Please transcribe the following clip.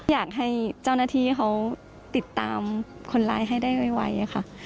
อยากให้เจ้าหน้าที่เขาติดตามคนร้ายให้ได้ไวค่ะ